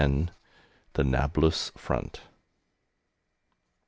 THE NABLUS FRONT.